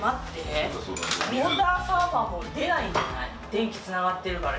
電気つながってるから。